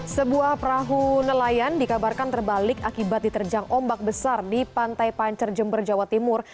sebuah perahu nelayan dikabarkan terbalik akibat diterjang ombak besar di pantai pancer jember jawa timur